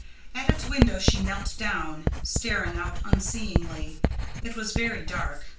At its window she knelt down, staring out unseeingly. It was very dark.